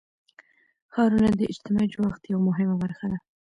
ښارونه د اجتماعي جوړښت یوه مهمه برخه ده.